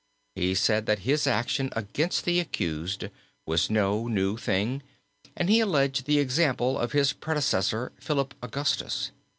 He said that his action against the accused was no new thing, and he alleged the example of his predecessor Philip Augustus.